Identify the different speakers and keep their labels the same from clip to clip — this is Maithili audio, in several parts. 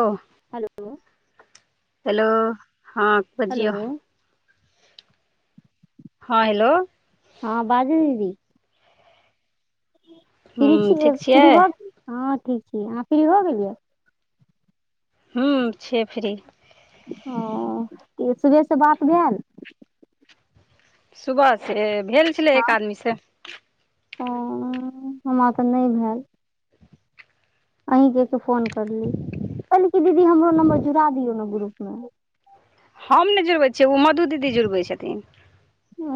Speaker 1: ओ।
Speaker 2: हलो।
Speaker 1: हेलो हां
Speaker 2: हेलो
Speaker 1: बजियौ, हां हेलो।
Speaker 2: हां बाजु दीदी। फ्री
Speaker 1: हूँ
Speaker 2: छी, अ
Speaker 1: ठीक
Speaker 2: फ्री
Speaker 1: छियै
Speaker 2: भ हां ठीक छी, अहाँ फ्री भऽ गेलियै।
Speaker 1: हूँ छियै फ्री।
Speaker 2: औ तेयो सुबेर से बात भाएल।
Speaker 1: सुबह से भेल छलै एक आदमी से।
Speaker 2: हां हमरा तऽ नै भाएल। अहीं के ते फोन करली, कहली की दीदी हमरो नम्बर जुड़ा दियौ ना ग्रुप मे।
Speaker 1: हम नै जुड़बै छियै उ मधु दीदी जुड़बै छथिन।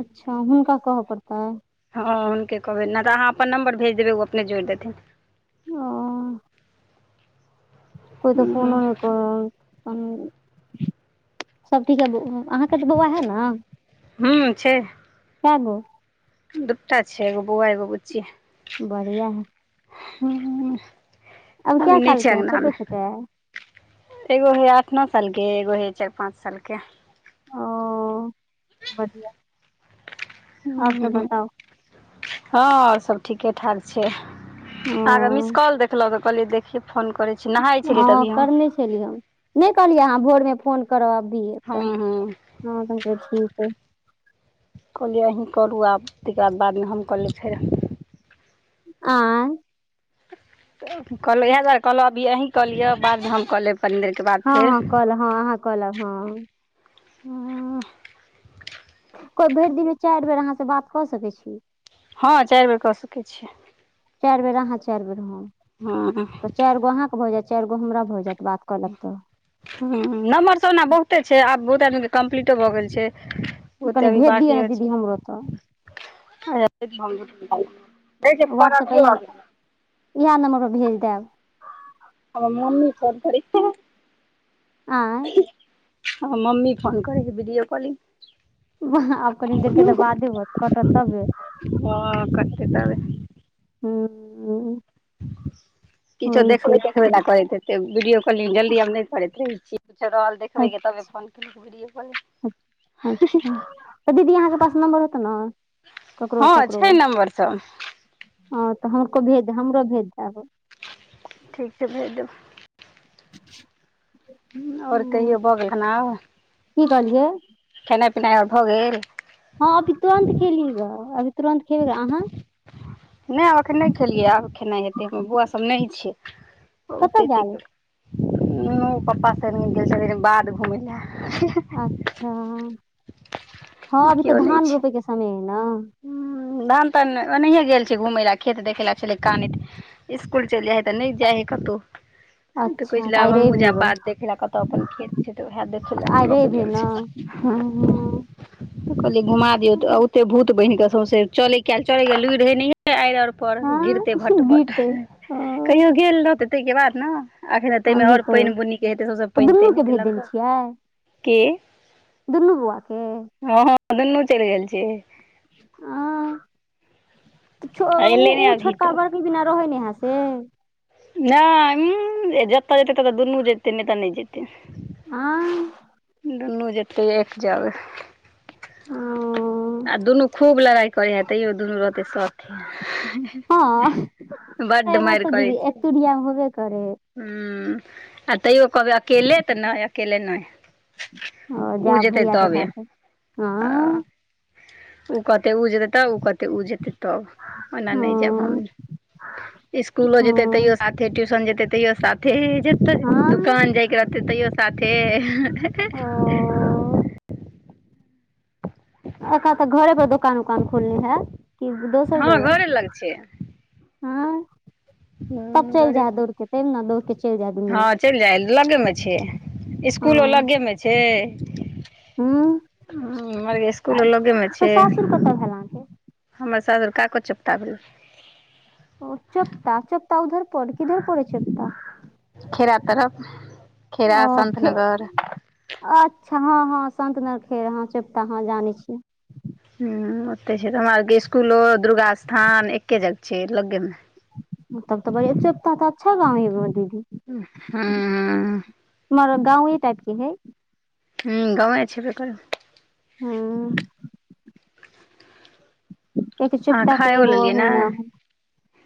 Speaker 2: अच्छा हुनका कहऽ पड़तै।
Speaker 1: हां हुनके कहबै नै तऽ अहाँ अपन नम्बर भेज देबै उ अपने जोड़ देथिन।
Speaker 2: ओ। कियो तऽ फोनो नै करै उम्म सब ठीके ब हां। अहाँ के तऽ बौअवा हे ना।
Speaker 1: हुं छै।
Speaker 2: काएगो।
Speaker 1: दूटा छै एगो बौअवा, एगो बुच्ची।
Speaker 2: बढ़ियाँ हय।
Speaker 1: हुं
Speaker 2: अब कै
Speaker 1: अभी नै
Speaker 2: साल
Speaker 1: छै
Speaker 2: के है
Speaker 1: अंगना
Speaker 2: छोटे
Speaker 1: मे।
Speaker 2: छोटे है
Speaker 1: एगो हय आठ-नौ साल के, एगो हय चार-पाँच साल के।
Speaker 2: ओ बढ़ियाँ
Speaker 1: हुं, हां सब ठीके-ठाक छै
Speaker 2: ओ
Speaker 1: [unintelligible] कॉल देखलो तऽ, कहली देखिये फोन करै छी। नहाय छलियै
Speaker 2: हँ,
Speaker 1: तभी हम
Speaker 2: करने छलियै ह, नहि कहलियै अहाँ भोरमे फोन करब, अभी
Speaker 1: हँ,
Speaker 2: तऽ
Speaker 1: ह।
Speaker 2: हँ, तखन तऽ ठीक ऐ।
Speaker 1: कहलियै अहीँ करू आब, तेकर बाद, बादमे हम कहलेब फेर।
Speaker 2: आई।
Speaker 1: तऽ कहलहुँ इएह दुआरे, कहलहुँ अभी अही कऽ लिअ, बाद हम कऽ लेब, कनी देरके बाद
Speaker 2: हँ
Speaker 1: फेर।
Speaker 2: हँ कहलौं हँ अहाँ कहलौं हँ
Speaker 1: हँ।
Speaker 2: कोइ भरि दिनमे, अहा से चारि बेर अहाँसँ बात कऽ सकैत छी?
Speaker 1: हँ, चारि बेर कऽ सकैत छीयै।
Speaker 2: चारि बेर अहाँ, चारि बेर हम,
Speaker 1: हँ
Speaker 2: तऽ चारि गो अहाँ के भ जैत। चारि गो हमरा भऽ जायत, बात कऽ लेब तऽ।
Speaker 1: हुँ, नम्हरसभ ओना बहुते छै, आब बहुते आदमीके कम्प्लीटो भऽ गेल छै। बहुते
Speaker 2: कनि
Speaker 1: अभी
Speaker 2: भेज दिअ ने
Speaker 1: बाकीयो
Speaker 2: दीदी
Speaker 1: छै।
Speaker 2: हमरो तऽ वहाट्सएप इएह इएह नम्बरपर भेज देब।
Speaker 1: हमर मम्मी फोन करै छलै।
Speaker 2: आँय
Speaker 1: हमर मम्मी फोन करै छै, वीडियो कॉलिंग।
Speaker 2: वा! आब कनि देरके तऽ बादे होयत कटत तबे।
Speaker 1: हँ कटतै तबे
Speaker 2: [unintelligible]
Speaker 1: किछो
Speaker 2: होइ छै
Speaker 1: देखबै -तेखबै ल करैत हेतै। त वीडियोकाँलिंग जल्दी हम नहि करैत रहे छीये, कुछ रहल देख देखबै
Speaker 2: अच्छा
Speaker 1: क, तबे फोन केलहुक वीडियो कॉल।
Speaker 2: अच्छा! तऽ दीदी अहाँके पास नम्बर होतै ने।
Speaker 1: हँ, छै नम्बर सब।
Speaker 2: ह तऽ हमरको भेज हमरो भेज देब।
Speaker 1: ठीक छै, भेज देबै।
Speaker 2: [inaudible]
Speaker 1: आओर कहियो भऽ गेल खना आब,
Speaker 2: की कहलियै
Speaker 1: खेनाइ- पिनाइ आओर भऽ गेल।
Speaker 2: हँ, अभी तुरन्त खेली ग, अभी तुरन्त खेल अहाँ?
Speaker 1: नहि आब एखन नहि खेलियै, आब खेनाइ हेतै, हमर बौआ सब नहि छै,
Speaker 2: कतऽ
Speaker 1: ओेतै
Speaker 2: गेल
Speaker 1: तेक पप्पा सने गेल छै, बाध घुम ले।
Speaker 2: अच्छा! हँ, अभी तऽ धान रोपेके समय है ने?
Speaker 1: हुँ, धान -तान नहि, ओनाहिए गेल छै घूमै लए, खेत देखे लए, छलैत कानैत। स्कूल चल जाय है, त नहि जे है कतउ। तऽ कहै
Speaker 2: अच्छा
Speaker 1: छलै,
Speaker 2: आइ
Speaker 1: आब हमहुँ
Speaker 2: रवि है
Speaker 1: जा
Speaker 2: ग
Speaker 1: बाध देखे लए कतहु अपन खेत छै तऽ उएह देखले
Speaker 2: आइ
Speaker 1: अपन ल क
Speaker 2: रवि है
Speaker 1: गेल
Speaker 2: ने
Speaker 1: छै। हँ, कहलिये, घुमा दियऔ तऽ एते भूत बनहि के, सौसे चलै के लुरि रहे आर अर पर,
Speaker 2: हँ
Speaker 1: गिरते भट -भट,
Speaker 2: बीते इहे
Speaker 1: कहियो गेल रहते ताहिके बाद ने। अखन ताहिमे आओर
Speaker 2: तऽ
Speaker 1: पानि बुनी के हेतै सबस
Speaker 2: तऽ
Speaker 1: पानि-
Speaker 2: दुनू
Speaker 1: तानि
Speaker 2: के
Speaker 1: हेतै
Speaker 2: भेज देने
Speaker 1: लगल,
Speaker 2: छियै
Speaker 1: की?
Speaker 2: दुनू बुआ के।
Speaker 1: हँ- हँ, दुन्नू चलि गेल छै।
Speaker 2: ह,
Speaker 1: आ
Speaker 2: ओ
Speaker 1: एलै नहि
Speaker 2: ओ
Speaker 1: अभी
Speaker 2: छोटका
Speaker 1: तक
Speaker 2: बड़की बिना रहे ने अहा हँ।
Speaker 1: नहि ऊ, जतऽ जेतै ततऽ दुनू जेतै, नहि तऽ नहि जेतै।
Speaker 2: आँ
Speaker 1: दुनू जेतै एक जगह आ दुनू खूब लड़ाई करै ए तैयो दुनू रहतै साथे।
Speaker 2: हँ
Speaker 1: बड्ड
Speaker 2: हे बतऽ दीदी एकतुरिया में होबे करय है।
Speaker 1: हूं आ तैयो कहबै अकेले तऽ नैय अकेले नैय।
Speaker 2: ओ
Speaker 1: उ
Speaker 2: जाब
Speaker 1: जेतै
Speaker 2: भैया के
Speaker 1: तबे
Speaker 2: साथे
Speaker 1: ह।
Speaker 2: हँ
Speaker 1: उ कहतै उ जेतै तब उ कहतै उ जेतै तब। ओना नैय जैब
Speaker 2: हँ
Speaker 1: हम स्कूलो जेतै
Speaker 2: हँ
Speaker 1: तैयो साथे ट्यूशन जेतै तैयो सा थे जेतै
Speaker 2: हँ
Speaker 1: दुकान जाइके रहतै तैयो साथे [unintelligible]
Speaker 2: ओ एखा तऽ घरे पर दोकान उकान खोलले है की दोसर
Speaker 1: हँ
Speaker 2: जगह?
Speaker 1: घरे लग
Speaker 2: आँ
Speaker 1: हँ घरे
Speaker 2: ने दौड़ के चलि जाह दुनू
Speaker 1: हँ चइल जाइ लगे में छै। स्कूलो
Speaker 2: हँ
Speaker 1: लगेमे छै।
Speaker 2: हूँ
Speaker 1: हूं [unintelligible]
Speaker 2: आ
Speaker 1: स्कूल लगेमे
Speaker 2: तऽ
Speaker 1: छै।
Speaker 2: सासुर कतऽ भेल अहाँके?
Speaker 1: हमर सासुर काकोचोप्ता भेल।
Speaker 2: ओ चोप्ता चोप्ता उधर पड़ै किधर पड़ै छै चोप्ता?
Speaker 1: खेरा तरफ खेरा
Speaker 2: ओ खे
Speaker 1: सन्तनगर।
Speaker 2: अच्छा हँ हँ संतनर खेर हँ चोप्ता हँ जानै छियै।
Speaker 1: हूं ओतै छै तऽ हमरा आरके स्कूलो दुर्गा स्थान एक्के जग छै लगे में।
Speaker 2: तब तऽ बड़ी चोप्ता तऽ अच्छा गाँव है यै भो दीदी।
Speaker 1: हँ।
Speaker 2: हमर गाँवे टाइपके है।
Speaker 1: हूं गाँवे छेब्बे करै।
Speaker 2: हँ। एक
Speaker 1: अहाँ
Speaker 2: चोप्ता के
Speaker 1: खाइयो
Speaker 2: एगो
Speaker 1: लेलियै
Speaker 2: होइ
Speaker 1: ने
Speaker 2: न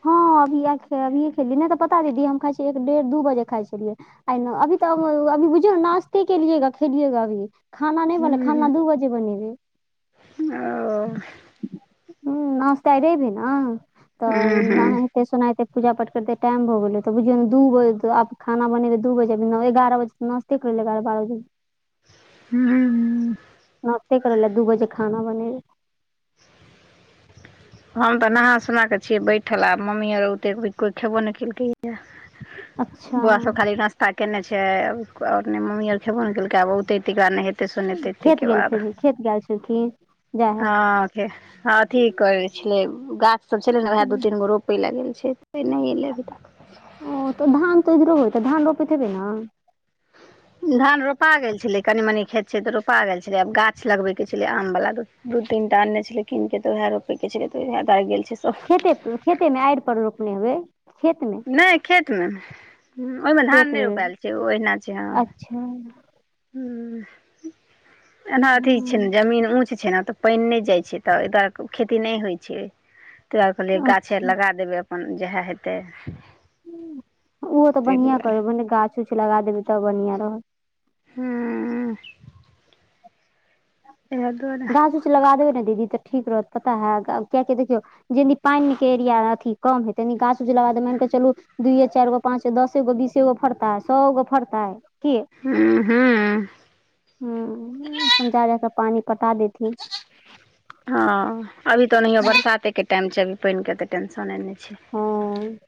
Speaker 2: हँ अभी ऐ खे अभी खेली नैय तऽ पता अय दीदी हम खाइ छी एक डेढ़ दू बजे खाइ छेलियै। आय न अभी तऽ [unintelligible] अभी बुझियौ नाश्ते केलियै गऽ खेलियै गऽ अभी। खाना नैय बनलै खाना
Speaker 1: हूँ
Speaker 2: दू बजे बनेबै।
Speaker 1: ओ।
Speaker 2: हूं नाश्ता आय रैब हैय न तऽ
Speaker 1: हूँ हूँ
Speaker 2: नहाय फेर स ओनाहिते पूजा-पाठ करते टाइम भऽ गेलै तो बुझियौ न दू बज आब खाना बनेबै दू बजे में न एगारह बजे नश् ते कैरलै एगारह बारह बजे।
Speaker 1: हूं हूं।
Speaker 2: नाश्ते करलिए दू बजे खाना बनेबै।
Speaker 1: हम तऽ नहा सुना कऽ छियै बैठल आब मम्मी आर औतै [unintelligible] कोई खेबो नै केलकै।
Speaker 2: अच्छा
Speaker 1: बौआ सब खाली नाश् ता केने छै आ और नैय मम्मी अर खेबो नै केलकै आब औतै तयके बाद नहे तै सुनेतै
Speaker 2: खेत
Speaker 1: तयके
Speaker 2: गेल
Speaker 1: बाद
Speaker 2: खेत गेल छलखिन जाय
Speaker 1: हँ के हँ ठीक कहै छेलै गाछसभ छेलै न वएह
Speaker 2: हय
Speaker 1: दू तीन गो रोपै लै गेल छैय से नैय एलै अभी तक।
Speaker 2: ओ तऽ धान तऽ इधरो होइत धान रोपैत हेबै न।
Speaker 1: धान रोपा गेल छेलै कनी-मनी खेत छै तऽ रोपा गैल छलै आब गाछ लगबै के छेलै आम बला दू दू तीन टा अनने छेलै कीन के तऽ उएह रोपै के छेलै तऽ उएह दुआरे गेल छै सब।
Speaker 2: खेते खेते में आइड़ पर रोपने हेबै खेत में?
Speaker 1: नैय खेतमे ओयमे धान नैय रोपैल छै ओ ओहिना छै हँ।
Speaker 2: हां
Speaker 1: हूं एना ठीक छै
Speaker 2: हूँ
Speaker 1: ने जमीन ऊंच छै ने तऽ पानि नहि जाइ छै तऽ ऐतह खेती नहि होइ छै। तऽ दुआरें कहलिए गाछे आर
Speaker 2: अच्छा
Speaker 1: लगा देबै अपन जएह हेतै।
Speaker 2: ओहो तऽ
Speaker 1: ताहि
Speaker 2: बढ़िआँ
Speaker 1: दुआरे
Speaker 2: करबैने गाछ उछ लगा देबै तब बढ़िआं रहत।
Speaker 1: हूँ। एह दुआरे
Speaker 2: कि लगा देबै ने दीदी तऽ ठीक रहत पता है किया के देखियौ जे नी पानि के एरिया अथी कम हेतै न गााछ उज लगा दैब मानिकऽ चलू दुइयए चारि गो पाँचो दसेगो बीसेगो फड़ताै सएगो फड़ताै किऐ।
Speaker 1: ह हू।
Speaker 2: हूं हूं अपन जा जाा केऽ पानी पटा देथि।
Speaker 1: हँ अभी तऽ ओनायो बरसाते के टाइम छै अभी पानि के तऽ टेंशने नहि छै।
Speaker 2: हँ।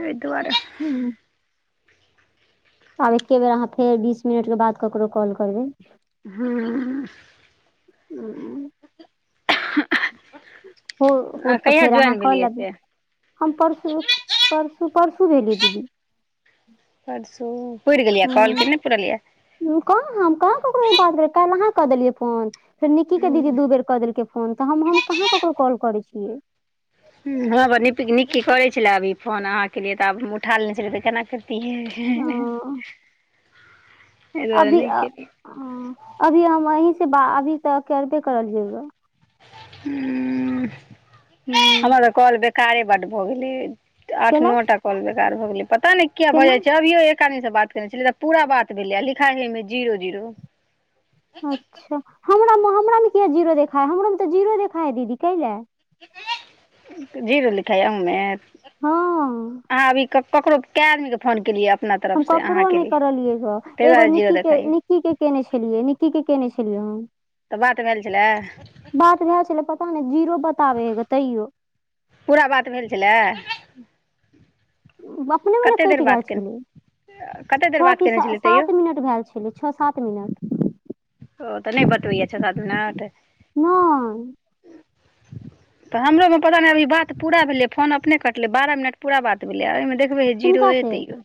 Speaker 1: एहि दुआरे।
Speaker 2: हूँ आब एके बेर अहाँ फेर बीस मिनटके बाद ककरो कॉल करबै।
Speaker 1: हँ।
Speaker 2: ह।
Speaker 1: [unintelligible]
Speaker 2: ओ हो
Speaker 1: आ
Speaker 2: तऽ
Speaker 1: कहिया
Speaker 2: फेर अहाँ
Speaker 1: ज्वाइन
Speaker 2: कऽ
Speaker 1: भेलियै
Speaker 2: लेबै।
Speaker 1: से
Speaker 2: हम परसू परसू परसू भेली दीदी।
Speaker 1: परसू पुर गेलियै कल की
Speaker 2: हूँ
Speaker 1: ने पुरलियै
Speaker 2: कहाँ हम कहाँ ककरोसँ बात भेल काल्हि अहाँ कऽ देलियै फोन फेर निकी के दीदी दू बेर कऽ देलकै फोन तऽ हम कहाँ ककरो कॉल करे छियै।
Speaker 1: हमरा पर निजी निकी करै छलै अभी फोन अहाँके लिए तऽ आ उठाय लने छलै केना हें हें हें।
Speaker 2: हँ अभी अब हम अहीं से अभी त करबे करलियै
Speaker 1: ह
Speaker 2: हूँ
Speaker 1: हमर तऽ कल बेकारे बड भऽ गेलै आठ
Speaker 2: केला
Speaker 1: नओ टा कॉल बेकार भऽ गेलै पता नहि किया भऽ
Speaker 2: केना
Speaker 1: जाइ छै। क्यों एक आदमी से बात करने छलै तऽ पूरा बात भेलै लिखाइे जी जीरो
Speaker 2: अच्छा हमरामे हमरामे किए जीरो देखा हइ हमरोमे तऽ जीरो देखाइ हइ दीदी कैलए
Speaker 1: जीरो लिखाइय अहू
Speaker 2: हँ
Speaker 1: आब ककरो कए आदमी के फोन केलियै अपना तरफ
Speaker 2: हम
Speaker 1: से अहाँ
Speaker 2: ककरो
Speaker 1: के
Speaker 2: नहि
Speaker 1: लिए
Speaker 2: करलियै गऽ
Speaker 1: ताहि
Speaker 2: एगो
Speaker 1: दुआरे जीरो
Speaker 2: निक्की के
Speaker 1: देखाइयए।
Speaker 2: निक्की के केने छलियै निकी के केने छलियै हँ
Speaker 1: तऽ बात भैल छलै।
Speaker 2: बात भए छलै पता ने जीरो बताबे हे ग तैयो।
Speaker 1: पूरा बात भेल छलै।
Speaker 2: अपने म ने
Speaker 1: कतेक देर
Speaker 2: कटि
Speaker 1: बात
Speaker 2: गछ गेल
Speaker 1: केने कतेक देर
Speaker 2: छ
Speaker 1: बात
Speaker 2: की
Speaker 1: केने
Speaker 2: सा
Speaker 1: छलियै तैयो
Speaker 2: सात मिन भेल छलै छ ओ सात मिनट
Speaker 1: ओ तऽ नहि बतबय छ सात मिनट
Speaker 2: नय।
Speaker 1: तऽ हमरो मे पता नहि अभ बात पूरा भेलै फोन अपने क मतल बारह मिनट पूरा बात भेलै ओहिमे देखबै हे जीरो
Speaker 2: किनका
Speaker 1: ए
Speaker 2: से
Speaker 1: तैयो।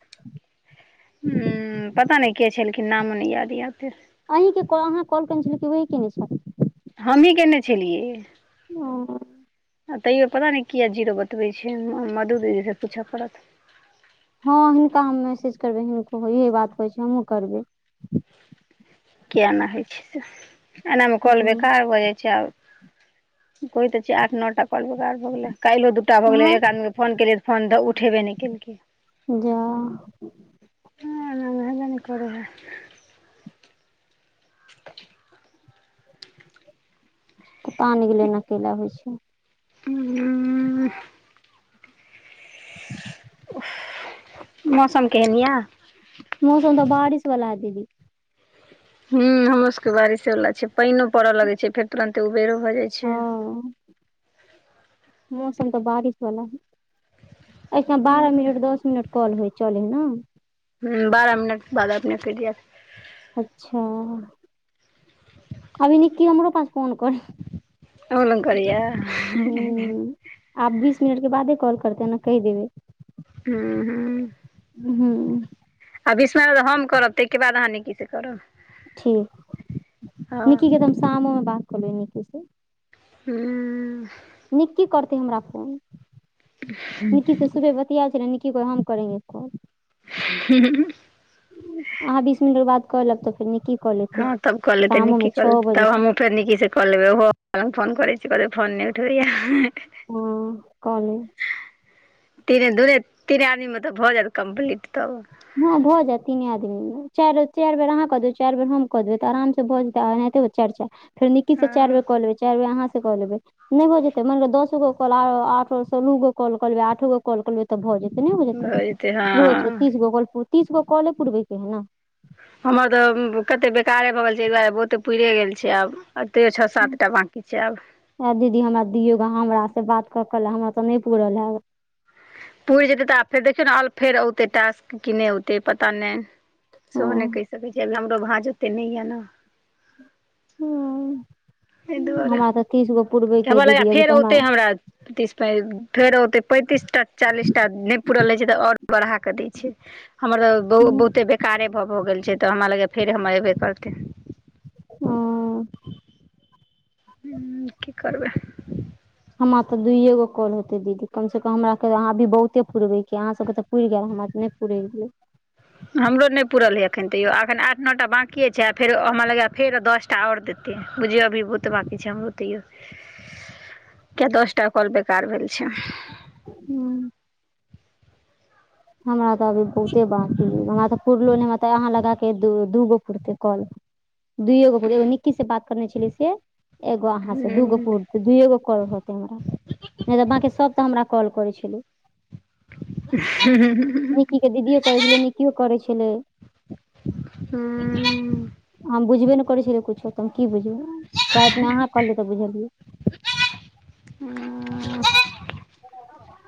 Speaker 1: हूं पता नहि के छैेलखिन नामो नहि याद य ओते।
Speaker 2: अहीँके क अहाँ कॉल केने छलियै कि ओहे केने छल
Speaker 1: हमही केने छलियै
Speaker 2: ओ [inaudible]
Speaker 1: आ तैयो पता नहि किया जीरो बतबै छै मधु दीदीसँ पूछऽ पड़त
Speaker 2: हँ हुनका हम मैसेज करबै हुनको यह बात होइ छै हमहुूँ करबै
Speaker 1: किए एना होइ छै से एनामे काॅल
Speaker 2: हूँ
Speaker 1: बेकार भऽ जाइ छै आब करय त छियै आठ नओटा काॅल बेकार भ गेलै काल्हिओ दूटा भऽ गेलै
Speaker 2: हँ
Speaker 1: एक आदमी के फोन केलियै त फोन त उठेबे नहि केलकै
Speaker 2: जा
Speaker 1: हॅं एना मे हेबे नय करय हइ [inaudible]
Speaker 2: पता नय गेले एना कैला होइ छै
Speaker 1: हू मौसम केहन यऽ
Speaker 2: मौसम तऽ बारिस बला अय दीदी
Speaker 1: ह हमरो सबके के बारिशे वाला छै पाइनो पड़ऽ लगे छै फेर तुरंते उबेरो भए जाइ छै
Speaker 2: हँ मौसम तऽ बारिश वाला ह [unintelligible] बारह मिनट दस मिनट कॉल होइ चल हइ ने
Speaker 1: ह बारह मिनट बाद अपने कटि जायत
Speaker 2: अच्छा अभी निक्की हमरो पास फोन करैये
Speaker 1: अहूॅं लङ करैये?
Speaker 2: आप बीस मिनट के बादे कॉल करतेै ने कहि देबय
Speaker 1: हू हू
Speaker 2: हू
Speaker 1: आब बीस मिनट बाद हम करब ताहिके बाद अहाँ निक्की सऽ करब
Speaker 2: ठीक
Speaker 1: हँ
Speaker 2: निक्की के तऽ हम शामोमे बात कऽ लेलहु निक्की सऽ
Speaker 1: हूँ
Speaker 2: निक्की करतै हमरा फोन निक्की तऽ सुबह ब [unintelligible] निक्की को हम करेंगे कॉल
Speaker 1: ह [unintelligible]
Speaker 2: अहाँ बीस मिनट के बाद कऽ लेब तऽ फेर निकी
Speaker 1: हँ तब कऽ लेतै निक्की कऽ लेतै तब
Speaker 2: तक
Speaker 1: हमहँ फेर निक्की से कऽ लेबै ओहो फोन करै छै कहतै फोन नहि उठबैएया [unintelligible]
Speaker 2: हँ कऽ लेब
Speaker 1: तीने दूए तीने आदमी मे तऽ भऽ जायत कम्प्लीट तब
Speaker 2: हँ भऽ जायत तीने आदमीमे चारि चारि बेर अहाँ कऽ देबै चारि बेर हम कऽ देबै तऽ आरामसँ भऽ जेतै आ एनाहिते होत चारि चारि फेर निक्की सऽ
Speaker 1: हँ
Speaker 2: चारि बेर कऽ लेबै चारि बेर अहाँ से कऽ लेबै नहि हो जेतै माइन लिअ दस गो कॉल आ आठो सऽ नौगो कॉल कऽ लेबै आठो गो कॉल कऽ लेबै तऽ भऽ जेते नहि हो जेतै
Speaker 1: भऽ हँ
Speaker 2: रोज तीस गो कल तीसगो कॉले पुरबे के है ने
Speaker 1: हमर तऽ कते बेकारे भऽ गेल छै एहि दुआरे बहुते पुरे गेल छै आब आ तैयो छओ सातटा बाँकी छै आब
Speaker 2: ह दीदी हमरा दुइयेगो हमरासऽ बात कऽ कऽ हमरा तऽ नहि पूरल है
Speaker 1: पूरि जेतै तऽ आब फेर देखियौ ने आ फेर औतै टास्क कि नय औतै पता नहि सेहो नहि कहि सकैत छी आब हमरो भांज एते नहि य ने
Speaker 2: हू
Speaker 1: ऐन दुआरे,
Speaker 2: के है
Speaker 1: केबो लगा
Speaker 2: दीदी अभी तऽ
Speaker 1: फेर औते हमरा तीस पै फेर ओते पैतीस टा चालीस टा नयि पूरल रहै छै तऽ ओर बढ़ा कऽ दे छै। हमर बहु- बहुते बेकारे भ-भ गेल छै तऽ हमरा लग फेरे हमर अबे करते।
Speaker 2: हम्म
Speaker 1: हम्म की करबै।
Speaker 2: हमरा तऽ दुइए गो कौल हेतै दीदी कमसँ कम हमरा के यहां भी बहुते पुरबैके अहाँ सके तऽ पुइर गेल हमरा त नइ पुरे गेलै।
Speaker 1: हमरो नइ पूरल हे एखन तयो आखन आठ नौटा बाकिए छै आ फेर हमरा लगेयै फेर दस ता ओर देतै बुझियो अभी बहुते बाकी छै हमरो त इयो कै दसटा काॅल बेकार भेल छै।
Speaker 2: हम्म हमरा तऽ अभी बहुते बाकी ये हमरा तऽ पुरलो नइ अत अहाँ लगाके दो-दुगो पुरतै कॅल। दुइये गो पुरले एगो निक्की से बात करने छलै से एगो अहाँ से दूगो पू से दुइएगो कॉल हुते हमरा नइ ये बाँकी सभ तऽ हमरा कॉल करै छलइ।
Speaker 1: ह ह
Speaker 2: निक्की के दीदी करै छलै निकी यो करै छलै।
Speaker 1: हम्म
Speaker 2: हम बुझबे ने करै छलियै कछो तऽ हम की बुझबे रातमे अहाँ कहलियै तऽ बुझलियै।
Speaker 1: [inaudible] हम्म [inaudible]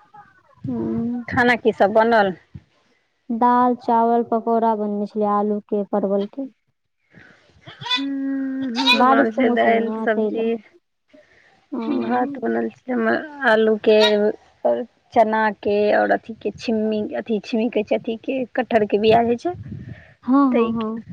Speaker 2: हम्म
Speaker 1: बनल
Speaker 2: दाल, चावल, पकौड़ा बनने छलै आलूके, परवलके।
Speaker 1: हम्म [unintelligible]
Speaker 2: बारिश
Speaker 1: बने
Speaker 2: के
Speaker 1: छै
Speaker 2: मौसम है
Speaker 1: दाइल
Speaker 2: न तै ले
Speaker 1: सब्जी भात बनल छिये मा-आ- आलूके और चना के और अथी के छिम्मी के अथि छिम्मी कहे छै अथी के कटहर के बिया होई छै।
Speaker 2: हँ -
Speaker 1: तै
Speaker 2: हँ-
Speaker 1: के
Speaker 2: हँ